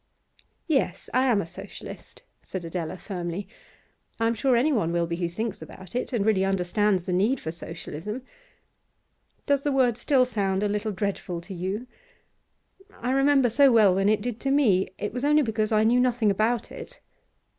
'Yes, I am a Socialist,' said Adela firmly. 'I am sure anyone will be who thinks about it, and really understands the need for Socialism. Does the word still sound a little dreadful to you? I remember so well when it did to me. It was only because I knew nothing about it.